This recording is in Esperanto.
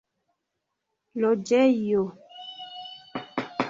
loĝejo